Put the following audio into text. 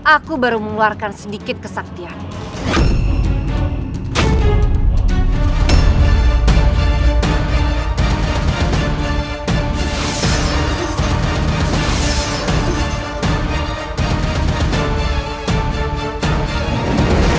aku baru mengeluarkan sedikit kesaktian